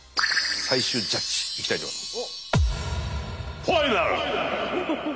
最終ジャッジいきたいと思います。